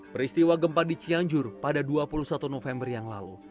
peristiwa gempa di cianjur pada dua puluh satu november yang lalu